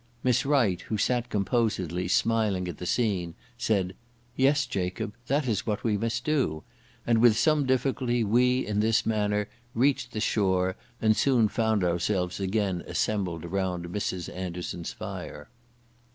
Miss Wright, who sat composedly smiling at the scene, said, "Yes, Jacob, that is what we must do;" and with some difficulty we, in this manner, reached the shore, and soon found ourselves again assembled round Mrs. Anderson's fire.